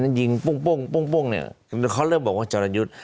ยิงปุ้งเนี่ยเขาเริ่มบอกว่าจรยุทธ์